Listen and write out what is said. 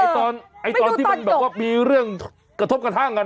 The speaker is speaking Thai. ไม่ดูตอนจบไอ้ตอนที่มันแบบว่ามีเรื่องกระทบกระทั่งกัน